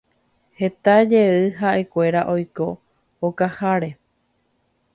heta jey ha'ekuéra oiko okaháre